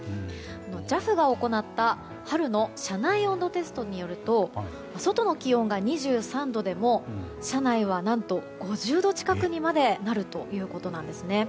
ＪＡＦが行った春の車内温度テストによると外の気温が２３度でも車内は何と５０度近くにまでなるということです。